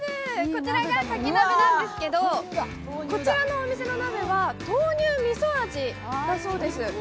こちらが牡蠣鍋なんですけどこちらのお店のお鍋は豆乳味噌味だそうです。